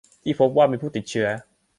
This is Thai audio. ที่พบว่ามีผู้ติดเชื้อ